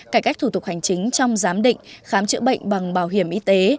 cải cách thủ tục hành chính trong giám định khám chữa bệnh bằng bảo hiểm y tế